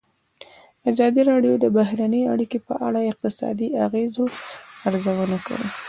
ازادي راډیو د بهرنۍ اړیکې په اړه د اقتصادي اغېزو ارزونه کړې.